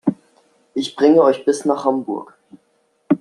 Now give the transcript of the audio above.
Ich bringe euch bis nach Hamburg